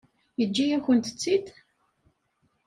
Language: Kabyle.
Yeǧǧa-yakent-tt-id?